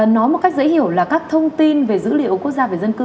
nói một cách dễ hiểu là các thông tin về dữ liệu quốc gia về dân cư